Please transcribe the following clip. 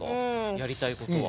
やりたいことは。